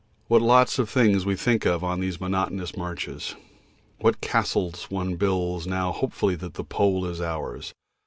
What lots of things we think of on these monotonous marches! What castles one builds now hopefully that the Pole is ours.